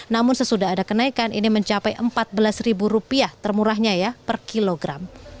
namun sesudah ada kenaikan ini mencapai rp empat belas termurahnya ya per kilogram